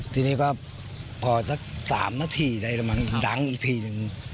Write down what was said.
ทีนี้ก็ปอดสัก๓นาทีหรือมั้งดังอีกทีนึง